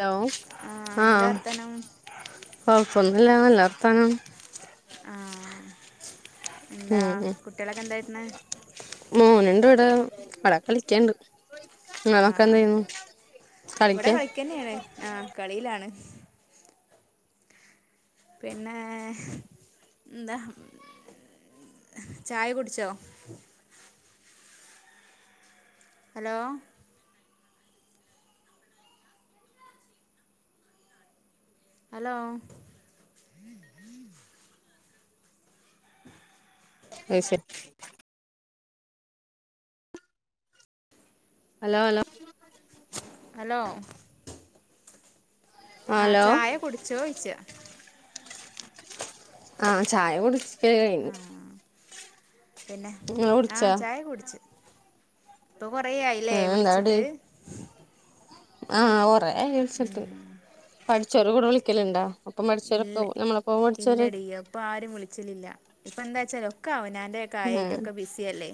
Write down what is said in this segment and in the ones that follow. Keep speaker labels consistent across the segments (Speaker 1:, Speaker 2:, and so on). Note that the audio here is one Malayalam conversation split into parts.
Speaker 1: ഹലോ
Speaker 2: ആഹ്
Speaker 1: ആഹ
Speaker 2: എന്താ വർത്താനം
Speaker 1: കൊപ്പൊന്നില്ലല്ലാർഥാന
Speaker 2: ആഹ
Speaker 1: ഉ
Speaker 2: എന്തായിട്ടണ്
Speaker 1: മോനുണ്ടിവിടെ കളിക്കയ്ണ്ട്
Speaker 2: ആഹ് ഇവ്ടെ
Speaker 1: കളിക്കാ
Speaker 2: കളിക്കന്നെയാണ് ആഹ് കളിയിലാണ് പിന്നെ ന്താ ചായ കുടിച്ചോ ഹലോ ഹലോ
Speaker 1: അയ് ശെ ഹലോ ഹലോ
Speaker 2: ഹലോ ആഹ് ചായ കുടിച്ചോ ഓയിച്ച
Speaker 1: ആഹ് ചായ കുടിച്ച് ക്കൽ കഴിഞ്ഞു
Speaker 2: ആഹ് പിന്നെ
Speaker 1: ഇങ്ങള്
Speaker 2: ആഹ്
Speaker 1: കുടിച്ചാ
Speaker 2: ചായ കുടിച്ച് ഇപ്പൊ കൊറാ ആയിലെ
Speaker 1: ഏഹ്
Speaker 2: വിളിച്ചിട്ട്
Speaker 1: എന്താടി ആഹ് കൊറെ ആയി വിളിച്ചിട്ട് പഠിച്ചോല് കൂടെ വിളിക്കല് ഇണ്ടോ ഒപ്പം പഠിച്ചവരൊക്കെ ഞമ്മളെ
Speaker 2: ഇല്ലടീ ഇപ്പ ആരും വിളിച്ചല്ലില്ല ഇപ്പ എന്താ ച്ചാറിയൊ ഒക്കെ ആവനാന്റെ
Speaker 1: ഉം
Speaker 2: കായായിട്ടൊക്കെ ബിസി അല്ലേ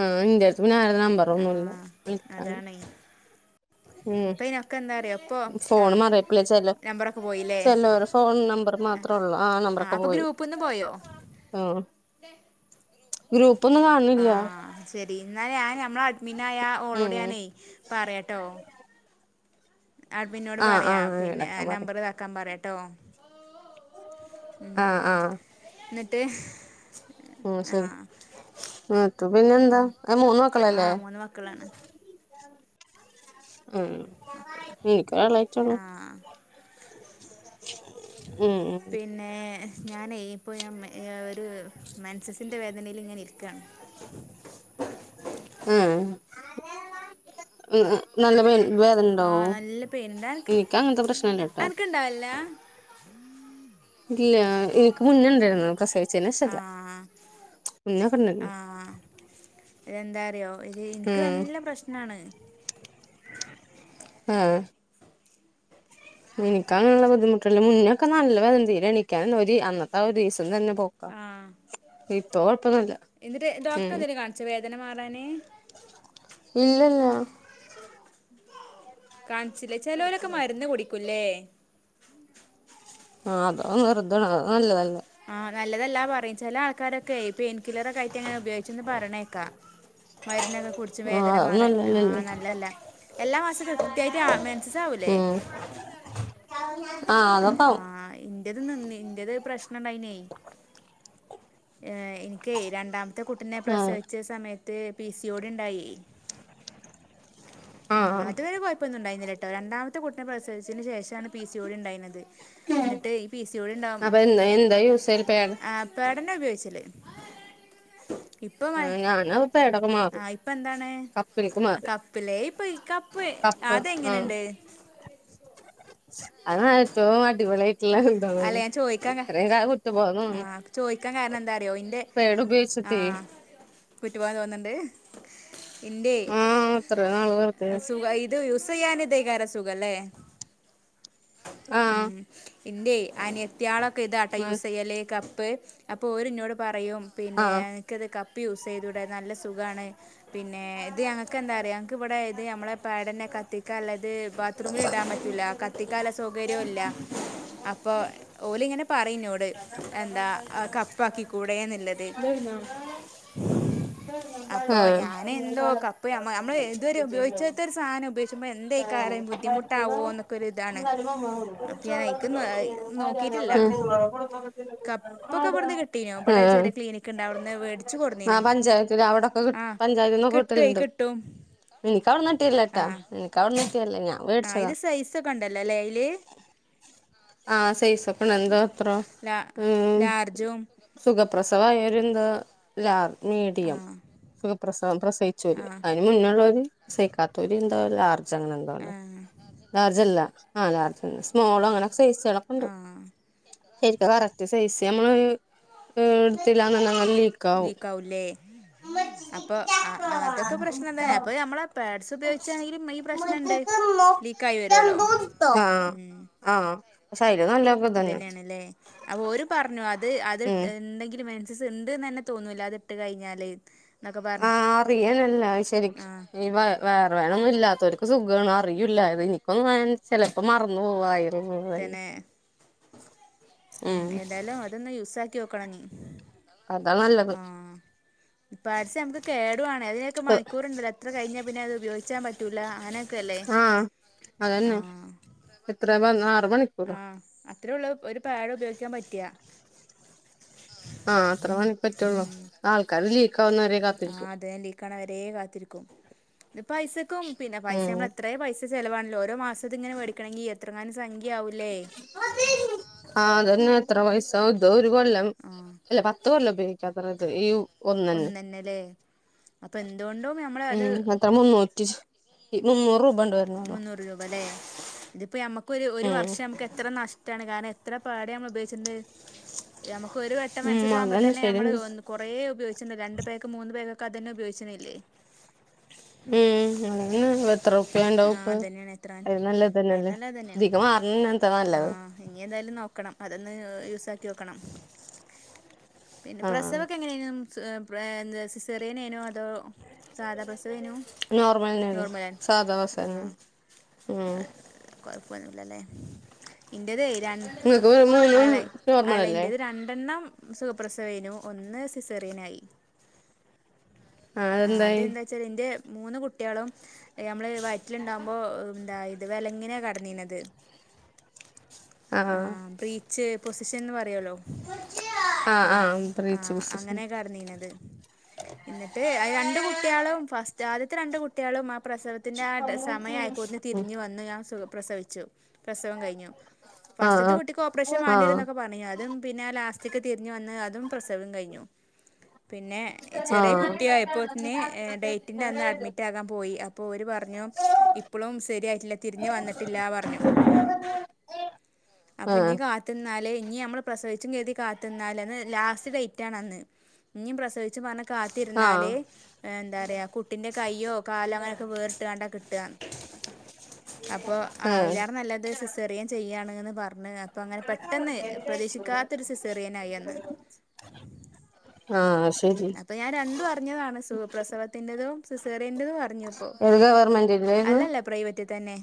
Speaker 1: ആഹ് ഇന്റെടുത്ത് പിന്നെ ആര്ടെ നമ്പറ് ഒന്നുല്ല
Speaker 2: ആഹ്
Speaker 1: വിളിക്കാന്
Speaker 2: അതാണേ
Speaker 1: ഉം
Speaker 2: ഇപ്പൊ ഇനൊക്കെ എന്താ അറിയോ ഇപ്പൊ ആ
Speaker 1: ഫോണ് മാറിയപ്പളെ ചെല
Speaker 2: നമ്പറൊക്കെ പോയില്ലേ
Speaker 1: ചെലവര് ഫോൺ നമ്പർ മാത്രേ ഒള്ളോ ആ നമ്പറൊക്കെ
Speaker 2: അപ്പൊ
Speaker 1: പോയി
Speaker 2: ഗ്രൂപ്പ്ന്ന് പോയോ
Speaker 1: ആ ഗ്രു
Speaker 2: ആഹ് ശെരി ന്നഞാൻ അ നമ്മൾ അഡ്മിൻ ആയാ ഓളോട്
Speaker 1: ഉം
Speaker 2: ഞാനെ പറയാട്ടോ ആഡ്മിനോട്‌
Speaker 1: ആഹ്
Speaker 2: പറയാ
Speaker 1: ആഹ്
Speaker 2: പിന്നെ
Speaker 1: എളക്കാൻ പറയ്
Speaker 2: നമ്പർ ഇതാക്കാൻ പറയാട്ടോ
Speaker 1: ആഹ് ആഹ്
Speaker 2: ട്ട്
Speaker 1: ഉം ശെരി അതു പിന്നെ എന്താ മൂന്ന്
Speaker 2: ആ
Speaker 1: മക്കളല്ലേ
Speaker 2: മൂന്ന് മക്കളാണ്
Speaker 1: ഉം
Speaker 2: മക്കള്
Speaker 1: എനിക്കരാളായിറ്റേ ഒള്ളൂ
Speaker 2: ആ പിന്നെ ഞാനേ ഇപ്പോ ഒരു മൻസസിൻ്റെ വേദനെൽ ഇങ്ങനെ ഇരി ക്ക
Speaker 1: ഉം ഉം നല്ല വേന
Speaker 2: ആ
Speaker 1: വേദനണ്ടാവൊ
Speaker 2: നല്ല പെയിനുണ്ട് അനക്ക്
Speaker 1: എനിക്ക്‌ അങ്ങനത്തെ പ്രശ്നല്ല ട്ടാ
Speaker 2: അനക്കുണ്ടാവില്ല
Speaker 1: ഇല്ല ഇനിക്ക് മുന്നുണ്ടായിരുന്നു പ്രസ
Speaker 2: ആഹ്
Speaker 1: ഉണ്ടായിരുന്നു
Speaker 2: ആഹ് ഇതെന്താറിയോ ഇത് ഇനിക്ക്
Speaker 1: ഉം
Speaker 2: നല്ല പ്രശ്നാണ്
Speaker 1: ആഹ് ഇനിക്ക്‌ അങ്ങനെള്ള ബുദ്ധിമുട്ടല് മുന്നൊക്കെ നല്ല വേദന തീരെ എണിക്കാൻ ഒരു അന്നത്തെ ഒരീസം ഇപ്പം തന്നെ പോക്കാ
Speaker 2: ആഹ്
Speaker 1: ഇപ്പ കൊഴപ്പന്നുല്ല ഉം
Speaker 2: ദന മാറാന്
Speaker 1: ഇല്ലല്ല
Speaker 2: കാൺച്ചിലെ ചെലോലൊക്കെ മരുന്ന് കുടിക്കുംലെ
Speaker 1: ആഹ് അത് വെറുതെആണ് നല്ലതല്ല
Speaker 2: ആഹ് നല്ലതല്ലാ പറയും ചില ആൾക്കാരൊക്കെ ഇപ്പ എനി കിലറ കയറ്റ ഇങ്ങനെ ഉപയോഗിച്ചെന്ന് പറഞ്ഞേക്കാം മരുന്നൊക്കെ കുടിച്ച്
Speaker 1: ആ
Speaker 2: വേദന
Speaker 1: അത്
Speaker 2: മാറാൻ
Speaker 1: നല്ലതല്ലല്ലേ
Speaker 2: ആഹ് നല്ലല്ല എല്ലാ മാസവും കൃത്യമായിട്ട് മെൻസസാവൂല ലെ
Speaker 1: ആഹ് അതൊക്കെആവും
Speaker 2: എന്റത് നിന്ന്‌ എന്റത് പ്രശ്ണുണ്ടായിനേ ഏ എനിക്കെ രണ്ടാമ മത്തെ കുട്ടിനെ
Speaker 1: ആ
Speaker 2: പ്രസവിച്ച സമയത്ത് പി സിയിയോടിണ്ടായി
Speaker 1: ആ
Speaker 2: ഉം അതുവരെകൊയപ്പൊന്നും ഉണ്ടായിുന്നില്ലട്ടോ രണ്ടാമത്തെ കുട്ടിനെ പ്രസിച്ചതിന് ശേഷാണ് പി സി ഓടി ഇണ്ടായിരുന്നത് എന്നിട്ട് ഈ പി സി ഒ ടി ഇണ്ടാവും
Speaker 1: അപ്പൊ എന്താ എന്താ യൂസ് ചെയ്യല് പേട
Speaker 2: ആ പ്പ പാടാന്ന ഉപയോഗിചില്ലേ ഇപ്പൊ
Speaker 1: ഞാന് പേടൊക്കെ മാറി
Speaker 2: ആ ഇപ്പൊ എന്താണ്
Speaker 1: കപ്പിലേക്ക്
Speaker 2: ആ
Speaker 1: മാറി
Speaker 2: കപ്പിലേ ഇപ്പൊ കപ്പ്
Speaker 1: കപ്പ് ആ
Speaker 2: അതെങ്ങനെണ്ട്
Speaker 1: അതാണ് ഏറ്റോം അടിപൊളി ട്ടുള്ള
Speaker 2: അല്ല
Speaker 1: എന്താണത്
Speaker 2: ഞാൻ ചോദിക്കാൻ കാ
Speaker 1: ഇത്രയും കാല കുറ്റബോധം
Speaker 2: ആ
Speaker 1: തോന്നണ്
Speaker 2: ചോദിക്കാൻ കാരണം
Speaker 1: പാടുപയോഗിച്ച് ട്ടെ
Speaker 2: കുറ്റബോധം തോന്നണ്ട് എൻ്റെ
Speaker 1: ആ ഇത്രയും നാള് വെറുതെ
Speaker 2: സുഗായിത് യൂസ് സെയ്യാനിതേകാര സുഖല്ലേ
Speaker 1: ആ
Speaker 2: ഇന്റെ അനത്യാളൊക്കെ ഇതാട്ടാ യുസെയ്യല് കപ്പ് അപ്പൊ ഓരിന്നോട് പറ പറയും പിന്നെ
Speaker 1: ആഹ്
Speaker 2: എനിക്കത് കപ്പ് യൂസ് ചെയ്തൂടെ നല്ല സുഖാണ് പിന്നെ ഇത് ഞങ്ങക്ക് എന്താറിയോ ഞങക്ക് ഇവിടെ ഇത് നമ്മളെ പാടന്നേ ക കത്തിക്കാല്ലത് ബാത്റൂമിൽ ഇടാൻ പറ്റൂല കത്തിക്കാല സൗകര്യവുല്ല അപ്പൊ ഓലിങ്ങനെ പറയുന്നോട് എന്താ കപ്പാക്കി കൂടെയെന്നുള്ളത് അപ്പൊ
Speaker 1: ആഹ്
Speaker 2: ഞാനെന്തോ കപ്പ് നമ്മള് ഇതുവരെ ഉപയോഗിചാത്ത ഒരു സാധനം ഉപയോഗിചുമ്പോ എന്തോ എന്തയ്ക്കാരം ബുദ്ധിമുട്ടാവോ എന്നൊക്കെ ഒരിതാണ് അപ്പൊ ഞാനയിക്കുന്ന നോക്കിട്ടില്ല കപ്പൊക്കെ ഇബടെന്നു കിട്ടീനു ഇബടെ ചെറിയ ക്ലിനിക്ക് ഇണ്ടാവടെ
Speaker 1: ആ പഞ്ചായത്തില് അവിടൊക്കെ
Speaker 2: ആഹ്
Speaker 1: പഞ്ചായത്തിന്നൊക്കെ
Speaker 2: കിട്ടുവേ
Speaker 1: കിട്ടലുണ്ട്
Speaker 2: കിട്ടും
Speaker 1: എനിക്ക അവിടന്നിട്ടീലാട്ടാ നിക്ക അവിടന്ന്
Speaker 2: ആ ഇത് സൈസൊക്കെ ഉണ്ടല്ലോ ലേ അയില്
Speaker 1: ആ സൈസൊപ്പണ എന്തോ അത്രോ
Speaker 2: ലാ
Speaker 1: ഉം
Speaker 2: ലാർജും
Speaker 1: സുഖ പ്രസവമായോര് എന്താ ലാർജ് മീഡിയം
Speaker 2: ആഹ്
Speaker 1: സുഖപ്രസം പ്രസയിചോര്
Speaker 2: ആഹ്
Speaker 1: അതിന് മുന്നുള്ളോര് പ്രസയിക്കാത്തൂരി എന്താ ലാർജ് അങ്ങനെ എഎന്തോണ്ട്
Speaker 2: ആഹ്
Speaker 1: ലാർജ് അല്ല ആല്ല സ്മോളോ അങ്ങന സൈസുകളൊക്കെണ്ട്
Speaker 2: ആഹ്
Speaker 1: ശരിക്ക് കറക്റ്റ് സൈസ് നമ്മള് എടുത്തില്ലാന്ന്‌ണ്ട്ന്ന്‌
Speaker 2: ലീക്കാവുലേ അപ്പൊ അ അതൊക്കെ പ്രശ്നം എന്താ അപ്പൊ നമ്മള പാഡ്സ് ഉപയോഗിച്ചാണെങ്കിലും ഈ പ്രശ്നണ്ട് ലീ ലീക്കായി വരുവല്ലോ ഉം
Speaker 1: ആ സയി
Speaker 2: ഇതന്നേണല്ലേ അപ്പൊ ഓര് പറഞ്ഞു അത് അത്
Speaker 1: ഉം
Speaker 2: ഇണ്ടെങ്കില് മെൻ സസ് ഉണ്ട്ന്ന് തന്നെ തോന്നൂല്ല അത് ഇട്ട് കഴിഞ്ഞാല് എന്നൊക്കെ പറഞ്ഞു
Speaker 1: ആ അറിയാന്നല്ല ശരിക്ക്
Speaker 2: ആഹ്
Speaker 1: വ വയറ് വേദ നൊന്നും ഇല്ലാത്തോരിക്ക് സുഗോണ് അറിയുല്ല ഇതെനിക്കൊന്നു ആയ ഞാൻ ചെലപ്പോ മറന്നോവും ആയെ
Speaker 2: തന്നെ ഉം എന്തായാലും അതൊന്ന് യൂസാക്കിയോക്കണനി
Speaker 1: അതാ നല്ലത്
Speaker 2: പാട്സ് നമക്ക് കേടുവാണേ അതിനൊക്കെ മണിക്കൂറുണ്ടല്ലോ എത്ര കഴിഞ്ഞാ പിന്നെ അത് ഉപയോഗിച്ചാൻ പറ്റൂല അങ്ങനെ
Speaker 1: ആ അതന്നെ എത്ര വ
Speaker 2: ആ അത്ര ഉള്ള ഒരു പാടുപയോഗിക്കാൻ പറ്റിയാ
Speaker 1: ആ അത്ര മണി പറ്റുള്ളൂ ആൾക്കാര് ലീക്ക് ആവുന്നവരെ കാത്തിരിക്കും
Speaker 2: രെ കാത്തിരിക്കും പൈസക്കും പിന്നെ പൈസ
Speaker 1: ഉം
Speaker 2: നമ്മളെത്ര പൈസ ചിലവാണല്ലോ ഓരോ മാസ അത് ഇങ്ങെ മേടിക്കണെങ്കി എങ്ങാനും സംഖ്യ ആവൂലേ
Speaker 1: ആഹ അതെന്നെ എത്ര പൈസാവും ഇതോ ഒരു കൊല്ലം
Speaker 2: ആഹ്
Speaker 1: അല്ല പത്ത് കൊല്ലം ഉപയോഗിക്കാത്രേ ഇത് ഒന്നന്നെ
Speaker 2: ഒന്നന്നെല്ലേ അപ്പൊ എന്തുകൊണ്ടും നമ്മള് അത്
Speaker 1: ഉം എത്ര മുന്നൂറ്റിച്ചി ഇ മൂന്നൂറു
Speaker 2: മുന്നൂറ് രൂപ ല്ലേ? ഇതിപ്പോ ഞമ്മക്ക് ഒരു ഒരു
Speaker 1: ഉം
Speaker 2: വർഷം നമുക്ക് എത്ര നഷ് ട്ടാണ് കാരണം എത്ര പാട് നമ്മൾ ഉപയോഗിച്ചിണ്ട് യമ ക്ക് ഒരു വട്ടം
Speaker 1: ഉം
Speaker 2: മെൻസസാകുമ്പോ
Speaker 1: അതന്നെ
Speaker 2: തന്നെ നമ്മള്
Speaker 1: ശരിയെന്ന
Speaker 2: കുറേ ഉപയോഗിച്ചിണ്ട് രണ്ട് പേക്ക് മൂന്ന് പേക്ക് ഒക്ക അതന്നെ ഉപയോഗിച്ചുന്നില്ലേ
Speaker 1: ഉം അതന്നെ എത്ര ഉറു
Speaker 2: ആ അതന്നെയാണ് എത്ര അയിൽന്നല്ലെ അതന്നെയാണ്.
Speaker 1: ഇതിക്ക് മാറണ എന്താ
Speaker 2: ആ
Speaker 1: നല്ലത്
Speaker 2: ഇനി എന്തായാലും നോക്ക ക്കണം അതൊന്ന് യൂസാക്കി നോക്കണം. പിന്നെ
Speaker 1: ആഹ്
Speaker 2: പ്രസവൊക്കെ എങ്ങനെയേനും? സുഖ പ്ര സിസേറിയനേനോ അതോ സാധാ പ്രസവേനു
Speaker 1: നോർമൽ തന്നെയായിരുന്നു
Speaker 2: നോർമല
Speaker 1: സാധാ ആ
Speaker 2: പോന്നില്ലല്ലേ എന്റതെ രണ്ട്
Speaker 1: നിങ്ങൾക്ക് മൂന്നും
Speaker 2: അല്ല അല്ല
Speaker 1: നോർമലല്ലേ
Speaker 2: എന്റേത് രണ്ടെണ്ണം സുഖപ്രസവേനു ഒന്ന് സിസേറിയനായി
Speaker 1: ആഹ്
Speaker 2: ആ
Speaker 1: അതെന്തായി
Speaker 2: അതെന്താ വച്ചാല് എന്റെ മൂന്ന് കുട്ടികളും ഞമ്മള് വയ് റ്റില്ണ്ടാകുമ്പോ എന്താ ഇത് വിലങ്ങനാ കടന്നീന്നത്
Speaker 1: ആ
Speaker 2: ച്ചെ പൊസിഷൻന്ന് പറയല്ലോ
Speaker 1: ആഹ്
Speaker 2: ആ
Speaker 1: ആഹ്
Speaker 2: ആ
Speaker 1: ബ്രീച്ച് ബസ്
Speaker 2: അങ്ങനെയക്കെടനീന്നത് എന്നിട്ട് അത് രണ്ട് കുട്ടികളും ഫസ്റ്റ് ആദ്യത്തെ രണ്ട് കുട്ട്യാളും ആ പ്രസവത്തിന്റെ ആ സമയം ആയപ്പൊതെ
Speaker 1: ഉം
Speaker 2: തിരിഞ്ഞു വന്നു ഞാൻ സുഖപ്രസവിച്ചു. പ്രസവം കഴിഞ്ഞു
Speaker 1: ആഹ്
Speaker 2: ഫസ്റ്ററ്റ്ത്ത് കുട്ടിക്ക് ഓപ്പറേഷൻ
Speaker 1: ആഹ് ആഹ്
Speaker 2: വേണ്ടിവരുന്നൊക്കെ പറഞ്ഞു അതും പിന്നെ ലാസ്റ്റക്ക് തിരിഞ്ഞു വന്ന് അത് തും പ്രസവം കഴിഞ്ഞു. പിന്നെ
Speaker 1: ആഹ്
Speaker 2: ചെറിയ കുട്ടിയായപ്പോൾതിന് ഡേറ്റിൻ്റെ അന്ന് അഡ്മിറ്റാകാൻ പോയി അപ്പോൾ ഓരു പറഞ്ഞു ഇപ്പോളും സരിയായിട്ടില്ല തിരിഞ്ഞു വന്നിട്ടില്ലാ പറഞ്ഞു അപ്പൊ ഇഞ്
Speaker 1: ആഹ്
Speaker 2: കാത്തുനിന്ന ന്നാല് ഇനി നമ്മൾ പ്രസവിച്ചും കരുതി കാത്തു നിന്നാല് ത് ലാസ്റ്റ് ഡേറ്റ് ആണ് അന്ന് ഇനിയും പ്രസവി ച്ച് പറഞ്ഞു
Speaker 1: ആഹ്
Speaker 2: കാത്തിരുന്നാല് എന്താ പറയാ കുട്ടിന്റെ കയ്യോ കാലോ അങ്ങനെയൊക്കെ വേറിട്ടാണ്ടാ കി ട്ടാന്ന്. അപ്പൊ ആ
Speaker 1: ആഹ്
Speaker 2: അയിലേറെ നല്ലത് സിസേറിയൻ ചെയ്യാണ്ന്ന് പർഞ്ഞ് അപ്പൊ അങ്ങനെ പെട്ടെന്ന് പ്രതീക്ഷിക്കാത്തൊരു സിസേറിയനായി അന്ന്
Speaker 1: ആഹ്
Speaker 2: ഉം
Speaker 1: ശരി
Speaker 2: അപ്പൊ ഞാൻ രണ്ടും അറിഞ്ഞതാണ് സുഖപ്രസവത്തിന്റതും സിസേറിയന്റേതും അറിഞ്ഞു ഇപ്പൊ.
Speaker 1: ഏത് ഗവർമെന്റിന്റെയായിരുന്നു
Speaker 2: അല്ലല്ല പ്രൈവറ്റി തന്നെ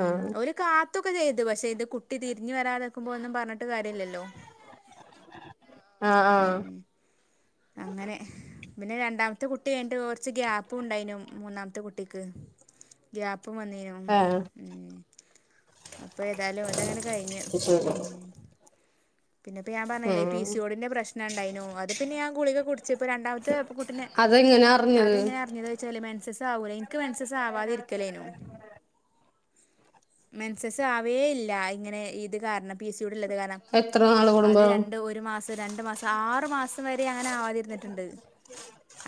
Speaker 2: ഉം
Speaker 1: ആഹ്
Speaker 2: ഓരു കാത് ത്തൊക്കെ ചെയ്തു പക്ഷെ ഇത് കുട്ടി തിരിഞ്ഞു വരാതിക്കുമ്പോ ഒന്നും പറഞ്ഞിട്ട് കാര്യല്ലല്ലോ
Speaker 1: ആ ആ
Speaker 2: അങ്ങനെ പിന്നെ രണ്ടാമത്തെ കുട്ടി കഴിഞ്ഞിട്ട് കുറച്ച് ഗ്യാപ്പു ഉണ്ടായിനു മൂന്നാമ ത്തെ കുട്ടിക്ക് ഗ്യാപ്പും വന്നീനു
Speaker 1: ആഹ്
Speaker 2: ഉം അപ്പൊ ഏതായാലും അതങ്ങനെ കഴിഞ്ഞ്
Speaker 1: ശരി
Speaker 2: ഉം പിന്നെപ്പോ ഞാൻ പറഞ്ഞില്ലേ ഈ പി
Speaker 1: ഉം
Speaker 2: സി യൊഡിന്റെ പ്രശ്ണം ഉണ്ടായിനു അത് പിന്ന ഞാൻ ഗുളിക കുടിച്ച് ഇപ്പോ രണ്ടാമത്തെ കുട്ടിനെ
Speaker 1: അതെങ്ങനെ അറിഞ്ഞത്
Speaker 2: അതെങ്ങനെ അറിഞ്ഞത് വെച്ചാല് മെൻസസ് ആവൂല എനിക്ക് മെനസസാവാതിരിക്കലേനു മെൻസസ് ആവേ ഇല്ല ഇങ്ങനെ ഇത് കാരണം പി സി ഓടിള്ളത് കാരണം.
Speaker 1: എത്ര നാള്
Speaker 2: അത്
Speaker 1: കൂടുമ്പോ
Speaker 2: രണ്ട് ഒരുമാസം രണ്ടുമാസം ആറുമാസം വര് രേ അങ്ങനെ ആവാതിരുന്നിട്ടുണ്ട്.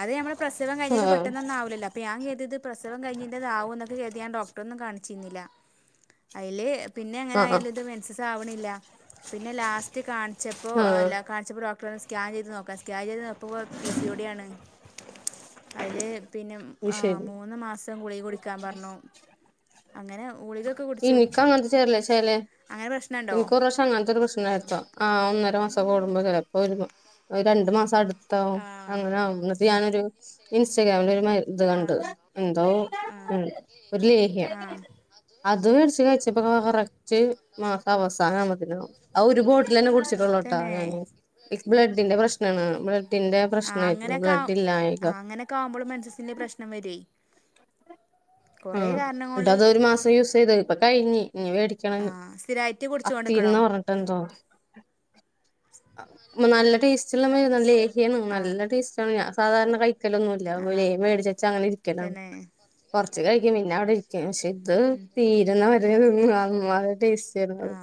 Speaker 2: അത് നമ്മളെ പ്രസവം കഴിഞ്ഞിട്ട്
Speaker 1: ആഹ്
Speaker 2: പെട്ടെന്ന് ഒന്നും ആവൂല്ലല്ലോ അപ്പോൾ ഞാൻ കരുതിയത് പ്രസവം കഴിഞ്ഞതിന്റെതാവും എന്ന് കരുതി ഡോക്ടറിനെ കാണി ച്ചിരുന്നില്ല. അയില് പിന്നെങ്ങനെ
Speaker 1: ആഹ്
Speaker 2: ആയാലു ഇത് മെൻസസ് ആവണില്ല ല്ല പിന്നെ ലാസ്റ്റ് കാണിച്ചപ്പോ
Speaker 1: ആഹ്
Speaker 2: കാണിച്ചപ്പോ ഡോക്ടർ സ്കാൻ ചെയ്ത് നോക്കാം സ്കാൻ ചെയ്തു നോക്കാൻ പിന്നെ ലാസ്റ്റ് കാണിച്ചപ്പോൾ പ്പ്വാ പീസീഓഡ്യാണ് അയ്ല് പിന്നെ മ്
Speaker 1: അത്
Speaker 2: ആഹ്
Speaker 1: ശരി
Speaker 2: മൂന്ന് മാസം ഗുളിക്കുടിക്കാം പർഞ്ഞു.
Speaker 1: ഇനിക്കാങ്ങത്തെ ചേറലേ ശേലേ
Speaker 2: അങ്ങനെ പ്രശ്നമുണ്ടോ
Speaker 1: എനിക്കൊര് വഷം അങ്ങനത്തെ ഒരു പ്രശ്നണ്ടായിരുന്നു ആ ഒന്നര മാസം കൂടുമ്പോ ചിലപ്പോ വരുമോ ഒര് രണ്ട് മാസം അട് ത്താവും
Speaker 2: ആ
Speaker 1: അങ്ങനാവും ഇന്നട്ട് ഞാനൊരു ഇൻസ്റ്റഗ്രാമിലൊര് ഇത്
Speaker 2: ആ
Speaker 1: കണ്ട് എന്തോ
Speaker 2: ആ
Speaker 1: മ് ഒര് ലേഹ്യം
Speaker 2: ആ
Speaker 1: അത് വേടിച്ച് കഴിച്ചപ്പൊ കൊർച്ച് മാസ അവസാനമ്പത്തിനും ഒര് ബോട്ടിൽ തന്നെ കുടി ച്ച് ട്ടൊള്ളൂട്ടോ ഞാന്
Speaker 2: തന്നെ
Speaker 1: ഇക്ക് ബ്ലഡിന്റെ പ്രശ്നാണ് ബ്ലഡ് ട്ടിന്റെ
Speaker 2: ആ
Speaker 1: പ്രശനായിര്ന്നു
Speaker 2: അങ്ങനെയൊക്കെ
Speaker 1: ബ്ലഡ് ഇല്ലായിക
Speaker 2: ആ അങ്ങനെയൊക്കെ ആകുമ്പോൾ മെൻസസിന്റെ പ്രശ്നം വരുവേ കൊറേ
Speaker 1: ആഹ്
Speaker 2: കാരണം കൊണ്ട്
Speaker 1: ന്ന്ട്ടത് ഒര് മാസം യൂസ് ചെയ്ത് പ്പ കയ്ഞ്ഞി ഞ്ഞി മേടിക്കണം
Speaker 2: ആ സ്ഥിരായിട്ട് കുടിച്ചു കൊണ്ടിക്കണോ
Speaker 1: അത്തീര്ന്ന് പറഞ്ഞിട്ടെന്തോ നല്ല ടേസ്റ്റള്ള മര്ന്നാണ് ലേഹ്യാണ്.
Speaker 2: ആ
Speaker 1: നല്ല ടേസ്റ്റാണ് ഞാൻ സാധാരണ കയ് ഇരിക്കലൊന്നുല്ല
Speaker 2: ആ
Speaker 1: അപോലെ മേടിചെച്ചാങ്ങനെ ഇരിക്കലാണ്
Speaker 2: തന്നെ
Speaker 1: കൊറച്ച് കഴിക്കും പിന്നെ അവിടെ ഇരിക്കും പഷേ ത് ത് തീര്ന്ന വരെ നല്ല ടേസ്റ്റേര് ന്നു അത്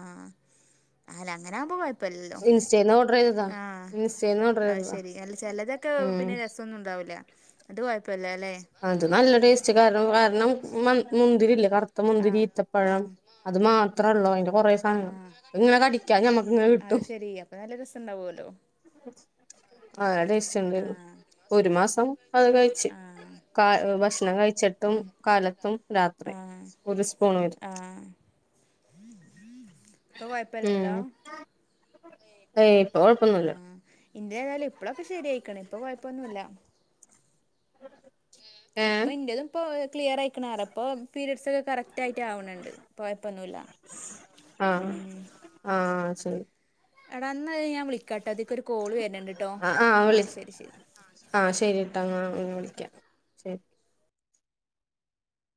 Speaker 2: അല അങ്ങനാകുമ്പോ കൊയ് പ്പല്ലല്ലോ
Speaker 1: ഇൻസ്റ്റേന്ന് ഓർഡർ ചെയ്തതാ
Speaker 2: ആഹ്
Speaker 1: ഇൻസ്റ്റേന്ന് ഓർഡർ
Speaker 2: അ
Speaker 1: ചെയ്തതാ
Speaker 2: ശെരി അല്ല ചെലതെക്കെ
Speaker 1: ഉം
Speaker 2: പിന്നെ രസൊന്നുണ്ടാവൂല. അത് കുയപ്പല്ലേ
Speaker 1: അത് നല്ല ടേസ്റ്റ് കാരണം കാരണം മുന്തിരില്ലേ കർ ത്ത
Speaker 2: ആ ആ
Speaker 1: മുന്തിരീത്തപ്പഴം അത് മാത്രള്ളൂ അയ്ന്റെ കൊറേ
Speaker 2: ആ
Speaker 1: സാധനങ്ങള് അത്ങ്ങനെ കടിക്കാ ഞമ്മക്ക്ങ്ങനെ കിട്ട്
Speaker 2: അത് ശെരി അപ്പ നല്ല രസണ്ടാവോലോ
Speaker 1: ആ നല്ല ടെസ്റ്റ് ണ്ടായിര്ന്നു ഒര് മാസം അത് കഴ്ച്ച്.
Speaker 2: ആ
Speaker 1: ഭക്ഷണം കയ്ച്ച്ട്ടും കാലത്തും രാത്രി
Speaker 2: ആ
Speaker 1: ഒര് സ്പൂൺ വെരും.
Speaker 2: പ്പ കൊയപ്പല്ലല്ലോ
Speaker 1: ഏയ് ഇപ്പ കൊഴപ്പൊന്നുല്ല
Speaker 2: ഇന്റെതായാലും ഇപ്പളൊക്കെ ശെരയ്‌ക്ക്ണ്. ഇപ്പ കൊയപ്പൊന്നുല്ല.
Speaker 1: ഏഹ്
Speaker 2: ഇപ്പ ഇന്റതുപ്പോ ക്ലിയറായ്ക്ക്ണ് റയാ പ്പൊ പീരയഡ്സൊക്കെ കറക്റ്റ് റ്റായിട്ടാവ്ണ് ണ്ട് കൊയ്പ്പൊന്നൂല്ല
Speaker 1: ആഹ്
Speaker 2: മ്
Speaker 1: ആഹ് ശരി
Speaker 2: എടാ ന്നയ് ഞാൻ വിളിക്കാട്ടോ ദീക്കൊര് കോള് വര്ണ് ണ്ട്ട്ടോ ആഹ് ശെരി ശെരി
Speaker 1: ങ്ങളെ പിന്നെ വിളിക്കാം ശെരി